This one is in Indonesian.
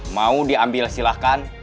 mau diambil silahkan